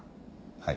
はい。